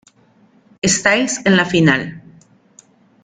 Styles en la final.